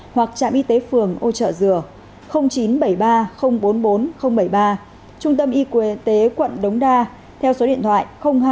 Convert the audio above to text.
hoặc trạm y tế phường ô trợ dừa chín trăm bảy mươi ba bốn mươi bốn bảy mươi ba trung tâm y tế quận đống đa theo số điện thoại hai trăm bốn mươi ba năm trăm sáu mươi hai năm nghìn năm trăm tám mươi một